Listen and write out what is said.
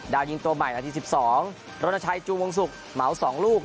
ยิงตัวใหม่นาที๑๒รณชัยจูวงศุกร์เหมา๒ลูก